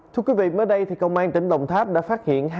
thưa quý vị mới đây thì công an tỉnh đồng tháp đã phát hiện